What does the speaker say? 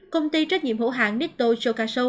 công ty trách nhiệm hữu hạng